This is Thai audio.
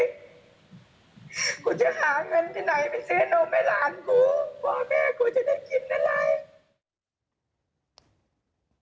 กูจะหาเงินที่ไหนไปซื้อนมให้หลานกูพ่อแม่กูจะได้กินอะไร